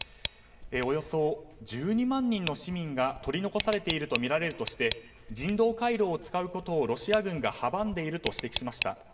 およそ１２万人の市民が取り残されているとみられるとし人道回廊を使うことをロシア軍が阻んでいると指摘しました。